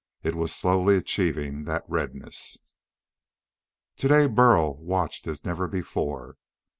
It was slowly achieving that redness. Today Burl watched as never before.